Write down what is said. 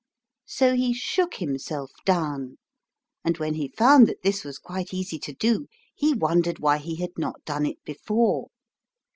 So he shook himself down, and when he found that this was quite easy to do he wondered why he had not done it before.